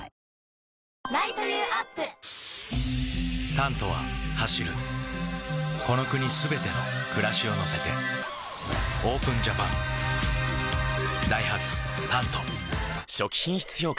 「タント」は走るこの国すべての暮らしを乗せてＯＰＥＮＪＡＰＡＮダイハツ「タント」初期品質評価